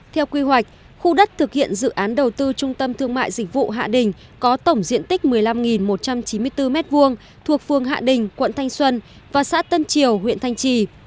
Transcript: theo quy hoạch khu đất thực hiện dự án đầu tư trung tâm thương mại dịch vụ hạ đình có tổng diện tích một mươi năm một trăm chín mươi bốn m hai thuộc phương hạ đình quận thanh xuân và xã tân triều huyện thanh trì